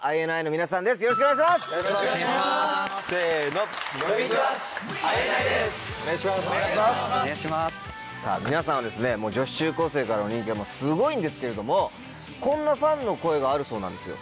皆さんは女子中・高生からの人気がすごいんですけれどもこんなファンの声があるそうなんですよ。